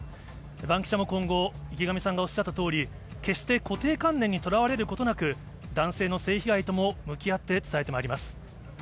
バンキシャも今後、池上さんがおっしゃったとおり、決して固定観念にとらわれることなく、男性の性被害とも向き合って伝えてまいります。